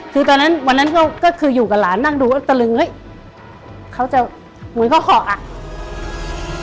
คือตอนนั้นวันนั้นก็คืออยู่กับหลานนั่งดูตะลึงเฮ้ยเขาจะมึงเขาห่อ